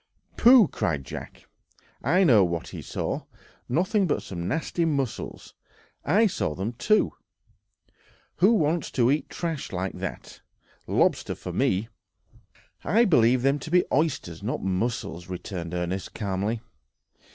"Pooh!" cried Jack, "I know what he saw—nothing but some nasty mussels; I saw them too. Who wants to eat trash like that? Lobster for me!" "I believe them to be oysters, not mussels," returned Ernest calmly.